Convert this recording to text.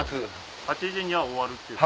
８時には終わるっていう。